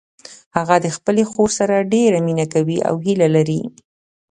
هغه د خپلې خور سره ډیره مینه کوي او هیله لري